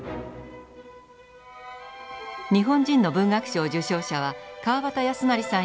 日本人の文学賞受賞者は川端康成さん